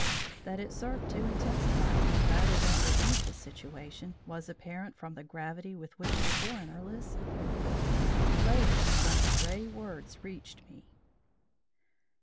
That it served to intensify rather than relieve the situation was apparent from the gravity with which the coroner listened. Later, some stray words reached me.